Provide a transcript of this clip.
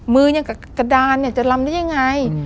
มืออย่างกับกระดานเนี่ยจะลำได้ยังไง